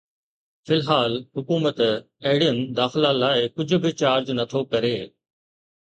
في الحال، حڪومت اهڙين داخلا لاء ڪجھ به چارج نٿو ڪري